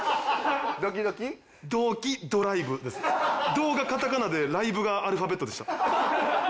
「ド」がカタカナで「ＬＩＶＥ」がアルファベットでした。